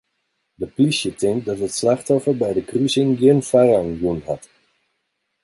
De plysje tinkt dat it slachtoffer by de krusing gjin foarrang jûn hat.